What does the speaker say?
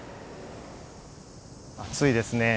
暑いですね。